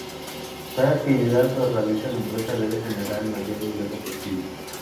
Cada actividad que realiza la empresa debe generar el mayor ingreso posible.